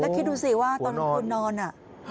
แล้วคิดดูสิว่าตอนหัวนอนน่ะ